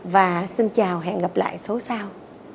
và xin chào hẹn gặp lại số sau